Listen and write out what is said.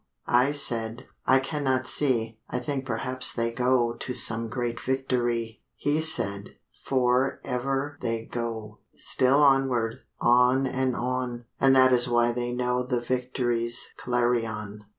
I said, 'I cannot see; I think perhaps they go To some great victory.' He said, 'For ever they go, Still onward, on and on; And that is why they know The victory's clarion.